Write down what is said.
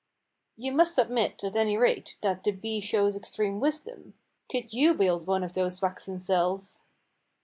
"You must admit, at any rate, that the bee shows extreme wisdom. Could you build one of those waxen cells?"